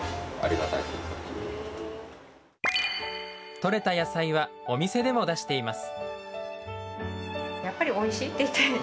取れた野菜はお店でも出しています。